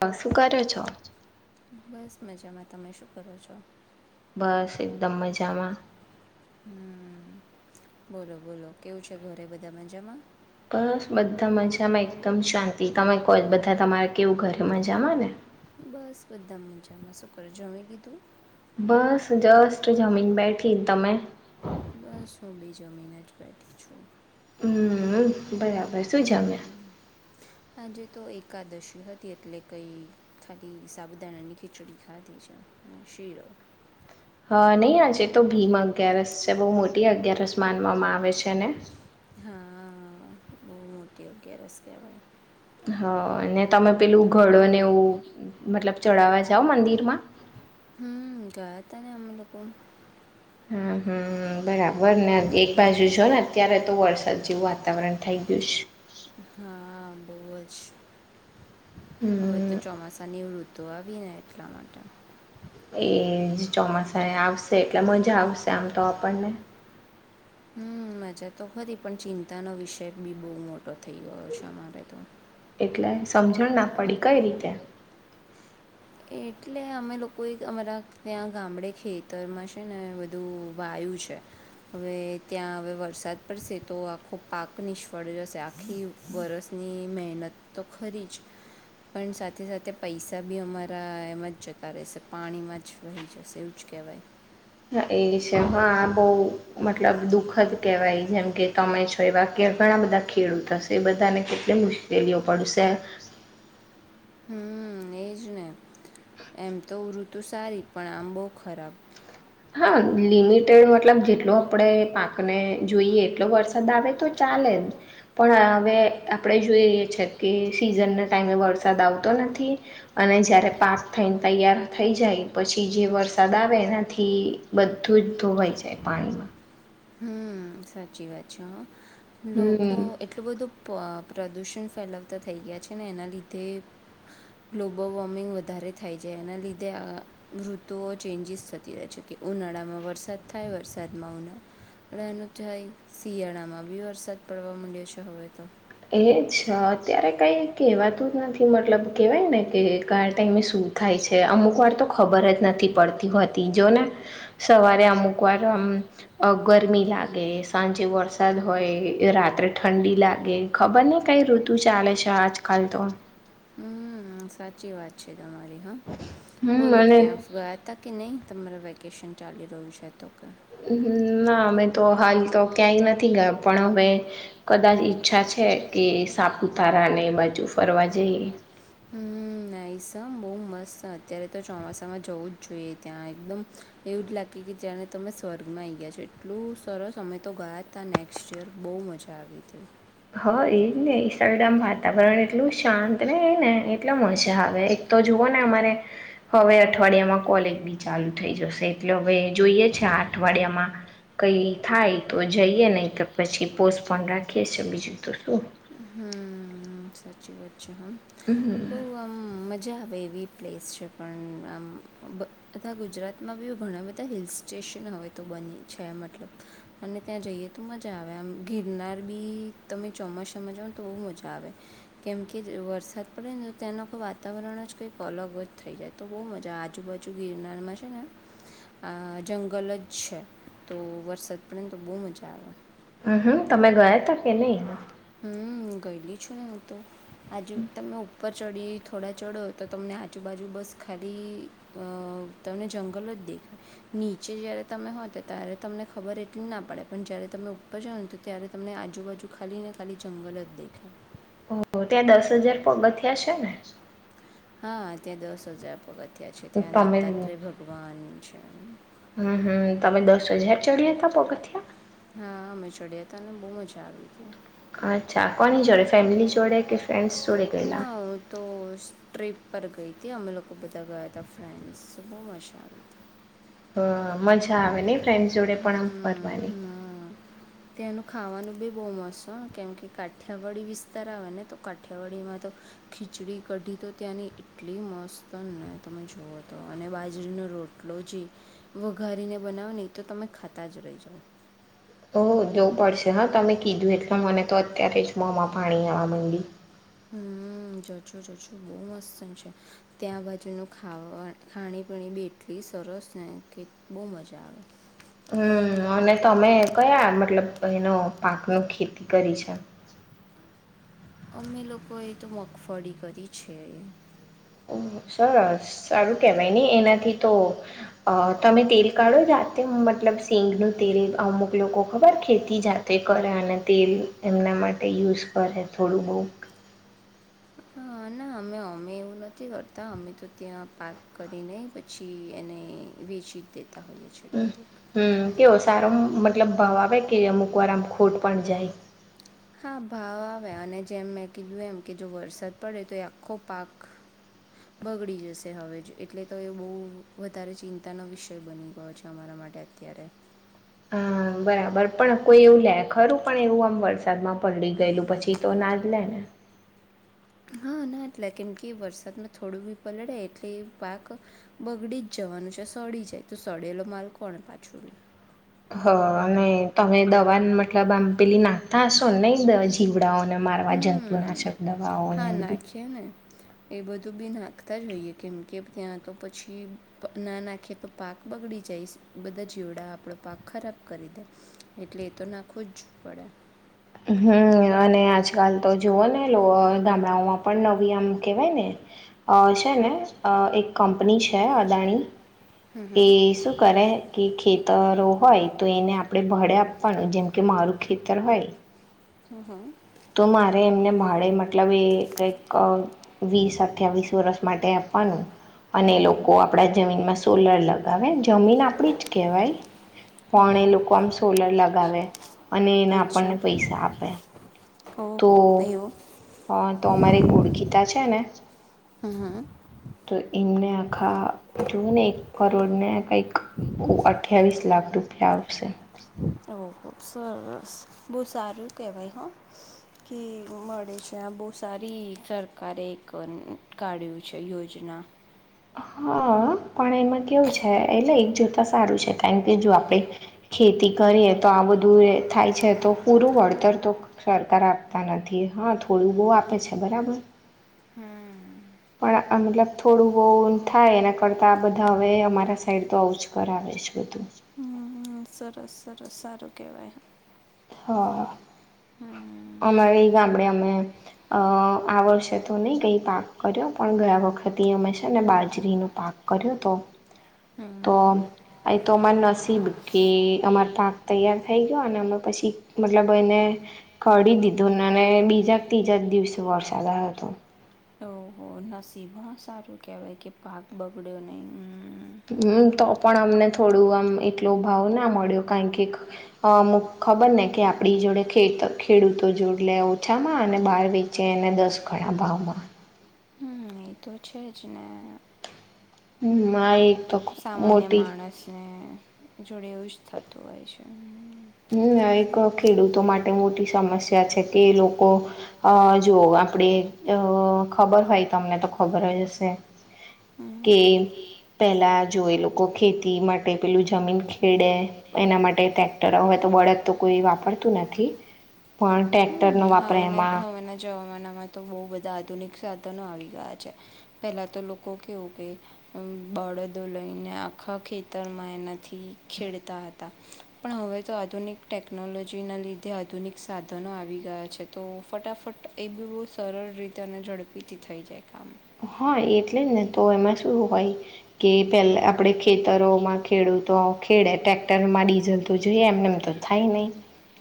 હ શું કરો છો? બસ મજામાં તમે શું કરો છો? બસ એકદમ મજામાં હમ બોલો બોલો કેવું છે ઘરે બધા મજામાં? બસ બધા મજામાં એકદમ શાંતિ તમે કો બધા તમારે કેવું ઘરે મજામાં ને? બસ બધા મજામાં શું કરો જમી લીધું? બસ જસ્ટ જમીન બેઠી, તમે? બસ હું બી જમીને જ બેઠી છું. હમ બરાબર શું જમ્યા? આજે તો એક એકાદશી હતી એટલે કંઈ ખાલી સાબુદાણાની ખીચડી ખાધી છે શીરો હા નહી આજે તો ભીમ અગિયારસ છે. બહુ મોટી અગિયારસ માનવામાં આવે છે ને હા બહુ મોટી ગ્યા રસ્તે ભાઈ હ ને તમે પેલું ઘડ ને એવું મતલબ ચડાવવા છે આવ મંદિર માં હમ ગ તને અમલોકો હમ હમ બરાબર ખબર ને એક બાજુ જો હમ ને અત્યારે તો વરસાદ જેવું વાતાવરણ થઈ ગયું છે હા બહુ જ હવે હમ તો ચોમાસા નિવૃત્ત તો આવીને એટલા માટે એજ ચોમાસા આવશે એટલે મજા આવશે આમ તો આપણને હમ મજા તો ખરી પણ ચિંતાનો વિષય બી બહુ મોટો થઈ ગયો છે અમારે તો એટલે સમજણ ના પડી કઈ રીતે એટલે અમે લોકો એક અમારા ત્યાં ગામડે ખેતરમાં છે ને બધું વાયુ છે હવે ત્યાં હવે વરસાદ પડશે તો આખો પાક નિષ્ફળ જશે આખી વરસની મહેનત તો ખરી જ પણ સાથે સાથે પૈસા બી અમારા એમ જ જતા રહેશે પાણીમાં જ વહી જશે એવું જ કહેવાય હ એ છે હા બહુ મતલબ દુખદ કહેવાય જેમ કે તમે છો એ વાક્ય ઘણા બધા ખેડૂત હશે એ બધાને કેટલી મુશ્કેલીઓ પડશે હમ એજ ને એમ તો ઋતુ સારી પણ આમ બહ ખરાબ હા લિમિટેડ મતલબ જેટલો આપણે પાકને જોઈએ એટલો વરસાદ આવે તો ચાલે પણ હવે આપણે જોઈએ છે કે સિઝનના ટાઈમે વરસાદ આવતો નથી અને જારે પાક થઈને તૈયાર થઈ જાય પછી જે વરસાદ આવે એનાથી થી બધું જ ધોવાઈ જાય પાણીમાં હમ સાચી વાત છે હ લોકો હમ્મ. એટલું બધું પ્રદૂષણ ફેલાવતા થઈ ગયા છે ને એના લીધે ગ્લોબલ વોર્મિંગ વધારે થઈ જાય એના લીધે આ ઋતુઓ ચેન્જીસ થતી રહે છે કે ઉનાળામાં વરસાદ થાય વરસાદમાં ઉનાળા એનુંય શિયાળા માં બી વરસાદ પડવા માંડ્યો છે હવે તો એજ અચ્છા અત્યારે કંઈ કહેવાતું જ નથી મતલબ કહેવાય ને કે ક ટાઈમે શું થાય છે અમુક વાર તો ખબર જ નથી પડતી હોતી જો ને સવારે અમુક વાર આમ ગરમી લાગે સાંજે વરસાદ હોય રાત્રે ઠંડી લાગે ખબર ને કઈ ઋતુ ચાલે છે આજકાલ તો હમ સાચી વાત છે તમા હા હમ બોલો અને ક્યાં ગયા હતા કે નહી તમારા વેકેશન ચાલી રહ્યું છે તો કે ના અમે તો હાલ તો ક્યાંય નથી ગયા પણ હવે કદાચ ઈચ્છા છે કે સાપુતારા ને બાજુ ફરવા જઈએ હમ નહીસ બહુ મસ્ત છે અત્યારે તો ચોમાસામાં જવું જ જોઈએ ત્યાં એકદમ એવું જ લાગે કે જ તમે સ્વર્ગમાં આવીઈ ગયા છો એટલું સરસ અમે તો ગયા તા નેક્સ્ટ યર બહુ મજા આવી હતી હા એજ ને સરલદમ વાતાવરણ એટલું શાંત ને ને એટલા મજ હવે એક તો જુવઓ ને અમારે હવે અઠવાડિયામાં કોલેજ બી ચાલુ થઈ જશે એટલે હવે જોઈએ છે અઠવાડિયામાં કઈ થાય તો જઈએ ને તો પછી પોસ્ટપોન રાખીએ છે બી જ દસ હમ્મ. સાચી વાત બહુ અમ મજા આવેવી પ્લેસ છે પણ આમ બધા ગુજરાતમાં બી ઘણા બધા હિલ સ્ટેશન હવે તો બની છે મતલબ અને ત્યાં જઈએ તો મજા આવે આમ ગિરનાર બી તમે ચોમાસામાં જઓને તો બ મજા આવે કેમ કે વરસાદ પડે ને તેના વાતાવરણ જ કંઈક અલગ જ થઈ જાય તો બહુ મજા આજુબાજુ ગિરનારમાં છે ને જંગલ જ છે તો વરસાદ પડે ને તો બહુ મજા આવે હમ હમ તમે ગયા ત કે નહી હમ ગયલી છું ને હું તોું આજુ તમે ઉપર ચડી થોડા ચડો તો તમને આજુબાજુ બસ ખાલી તમને જંગલો જ દેખાય નીચે જય્યારે તમે હો તો ત્યારે તમને ખબર એટલી જ ના પડે પણ જય્યારે તમે ઉપર જાઓ ને તો ત્યારે તમને આજુબાજુ ખાલીને ખાલી જંગલ જ દેખા ઓ ત્યાં દસ હજાર પગ થ છે ને તે દસ હજાર પગત ત્યાં છે ત્યાં તમે દત્તાત્રેય ભગવાન છે હમ હમ તમે દસ હજાર ચડ્યા હતા પગથિયા હા અમે ચડ્યા હતા અનેને બહુ મજા આવી હતી અચ્છા કોની જોડે ફેમિલી જોડે કે ફ્રેન્ડ્સ જોડે ગયેલા ના તો સ્ટપ પર ગઈ હતી અમે લોકો બધા ગયા હતા ફ્રેન્સ બહુ મજા આવી હતી મજા આવે આવેની ટાઈમ જોડે પણ આમ હમ ફરવાની હા ત્યાંનું ખાવાનું બી બહુ મસ્ત છેને કેમ કે કાઠિયાવાડી વિસ્તાર આવે ને તો કાઠિયાવાડીમાં તો ખીચડી કઢી તો ત્યાંની એટલી મસ્ત ને તમે જુવઓ તો અને બાજરીનો રોટલો જે વઘારીને બનાવો ને તો તમે ખાતા જ રહી જાઓ ઓ જોવું પડશે હા તમે કીધું એટલે મને તો અત્યારે જ મોમાં પાણી આવવા માંડી હમ જજો જજો બહુ મસ્ત છે ત્યાં બાજુનું ખાવા ખાણી પીણી બી એટલી સરસ ને કે બહુ મજા આવે હમ અને તમે કયા મતલબ એનો પાકનું ખેતી કરી છે અમે લોકોએ તો મગફળી કરી છે સર સારું કેહેવાય ને એનાથી તો તમે તેલ કાઢો જાતે મતલબ સિંગનું તેલ અમુક લોકો ખબર ખેતી જાતે કરે અને તેલ એમના માટે યુઝ કરે થોડું બહ હ ના અમે અમે એવું નથી કરતા અમે તો ત્યાં પાાર્ક કરીને પછી એને વેચી જ દેતા હોઈએ છીએ હમ ડાયરેક્ટ. કેવ સારો મતલબ ભાવ આવે એ અમુક વાર આમ ખોટ પણ જાય હા ભાવ આવે અને જેમ મેં કીધું એમ કે જો વરસાદ પડે તો એ આખો પાક બગડી જશે હવે જ એટલે તો એ બહુ વધારે ચિંતાનો વિષય બની ગયો છે અમારા માટે અત્યારે હા બરાબર પણ કોઈ એવું લે ખરું પણ એવું આમ વરસાદમાં પડી ગયેલું પછી તો ના જ લે ને હ ના એટલે કેમ કે વરસાદમાં થોડું બ પલડે એટલે પાક બગડી જ જવાનું છે સડી જાય તો સડેલો માલ કોણ પાછો હ અને તમે દવા મતલબ આમ પેલી નાખતા હશો નહીવા જીવ દીડાઓને મારવા હમ્મ. જંતુનાશક દવાઓને હા, બધું નાખીએ ને. એ બધું બી નાખતા જોઈએ કેમ કે ત્યાં તો પછી ના નાખે તો પાક બગડી જાય બધા જીવડા આપણો પાક ખરાબ કરી દે એટલે એ તો નાખો જ પડે હમ અને આજકાલ તો જુઓ ને લો ગામડાઓમાં પણ નવી આમ કેહેવાય ને છે ને એક કંપની છે અદાણી હમ્મ, એ હમ્મ. શું કરે કે ખેતી તરો હોય તો એને આપણે ભાડે આપવાનું જેમ કે મારું ખેતર હોય હમ હા તો મારે એમને ભાડે મતલબ એ કઈક વીસ અઠ્યાવીસ વર્ષ માટે આપવાનું અને એ હમ્મ, લોકો આપડા જમીનમાં સોલર લગાવે જમીન આપણી જ કહેવાય પણ હમ્મ, એ હમ્મ. લોકો આમ સોલર લગાવે અને એને અચ્છા. આપણને પૈસા આપે તો ઓહો! એવું. હા તો અમારે ઓળખીતા છે ને હમ્મ, હમ્મ. તો એને આખા જોવું ને એક કરોડ ને કંઈક અઠ્યાવીસ લાખ રૂપિયા આવશે ઓહ સરસ બહુ સારું કેહેવાય હ કે મળે છે આ બહુ સારી સરકારે એક કાઢ્યું છે યોજના હા પણ એમાં કેવું છે એટલે એક જોતા સારું છે કારણ કે જો આપણે ખેતી કરીએ તો આ બધું થાય છે તો પૂરું વળતર તો સરકાર આપતા નથી હા થોડું બહુ આપે છે બરાબર. હમ્મ. પણ થાય એના કરતાં આપણે હવે અમારા સાઈડ પહોંચ કરાવીએ મતલબ થોડું બહું થાય એના કરતા આ બધા હવે અમારા સાઈડ તો આવું જ કરાવે છે બધું. હમ સરસ સરસ સારું કહેવાય હા હમ અમારે એ ગામડે અમે આ વર્ષે તો નહી કઈ પાક કર્યો પણ ગયા વખત અમે છે ને બાજરીનો પાક કર્યો તો હમ નહીં તો એ તો અમાર નસીબ કે અમાર પાક તૈયાર થઈ ગયો અને અમે પછી મતલબ એને કરીડી દીધું અને બીજા ત્રીજા દિવસે વરસાદ હતો. નસીબમાં સારું કહેવાય કે પાક બગડ્યો નહીમ. હમ તો પણ અમને થોડું આમ એટલો ભાવ ના મળ્યો કારણ કે અમુક ખબર ને કે આપડી જોડે ખે ખેડૂતો જોડ લે ઓછામાં અને બહાર વેચે એને દસ ગણા ભાવમાં. મા તો છે જને હ માઈ સામાન્ય માણસ ને. જોડે એવું જ થતું હોય છે. હમ એક ખેડૂતો માટે મોટી સમસ્યા છે કે લોકો અ જો આપડે ખબર હોય તમને તો ખબર જ હશે હમ. કે પેલા જો એ લોકો ખેતી માટે પેલું જમીન ખેડે એના માટે હોય તો બળદ તો કોઈ વાપરતું નથી પણ ટ્રેક્ટરનો હવે વાપરે હવેના એમાં જવાવામાં ના. એમાં તો બહુ બધા આધુનિક સાધનો આવી ગયા છે પહેલા તો લોકો કેવું કે બળદો લઈને આખા ખેતરમાં એનાથી ખેડતા હતા પણ હવે તો આધુનિક ટેકનોલોજીના લીધે આધુનિક સાધનો આવી ગયા. છે તો ફટાફટ એ બી બહુ સરળ રીતે અને ઝડપીથી થઈ જાય કામ. હા એટલે ને તો એમાં શું હોય કે પેલા આપણે ખેતરોમાં ખેડૂતો ખેડે ટ્રેક્ટરમાં ડીઝલ તો જોઈએ એમને એમ તો થાય નહી.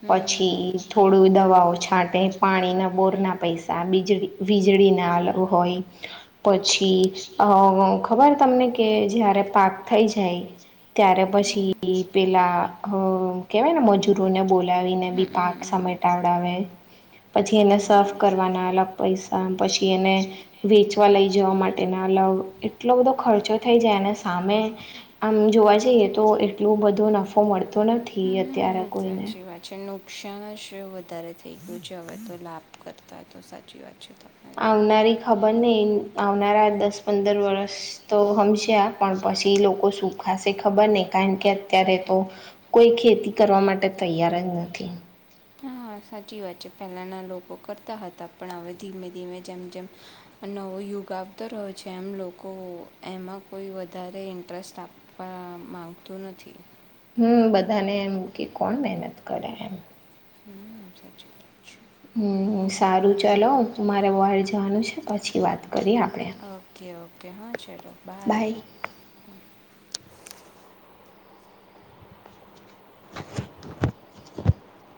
હમ પછી થોડું દવાઓ છાંટે પાણીના બોરના પૈસા બીજળી વીજળીનાલ હોય. પછી અ ખબર તમને કે જયારે પાક થઈ જાય ત્યારે પછી પેલા કેહેવાય ને મજૂરોને બોલાવીને હમ બી પાક હમ હમ સમેટાવડાવે પછી એને સાફ હા. કરવાના અલગ પૈસા પછી એને વેચવા લઈ જવા માટેના લવ એટલો બધો ખર્ચો થઈ જાય અને સામે આમ જોવા જઈએ તો એટલું બધો નફો મળતો નથી અત્યારે હમ કોઈને સાચી વાત છે નક ક્ષણ શ વધારે થઈ ગયું છે હવે તો લાભ કરતા હોય તો સાચી વાત. છે તમારી આવનારી. ખબર નહી આવનારા દસ પંદર વર્ષ તો હમશે આ પણ પછી લોકો સુખાશે ખબર નહી કારણ કે અત્યારે તો કોઈ ખેતી કરવા માટે તૈયાર જ નથી. હા સાચી વાત છે પહેલાંના લોકો કરતા હતા પણ હવે ધીમે ધીમે જેમ જેમ નવો યુગ આવતો રહ્યો છે એમ લોકો એમાં કોઈ વધારે ઇન્ટરેસ્ટ આપવા માગતું નથી. હમ બધાને એમ કે કોણ મહેનત કરે એમ. હમ સાચી છે હમ સારું ચાલો મારે વોર્ડ જવાનું છે પછી વાત કરીએ આપડે. ઓકે ઓકે હા ચલો બાય. [inaudible]